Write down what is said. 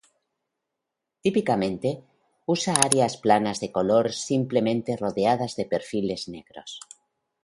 Típicamente, usa áreas planas de color simple rodeadas de perfiles negros.